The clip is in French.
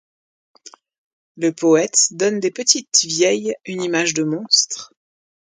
Le poète donne des petites vieilles une image de monstre.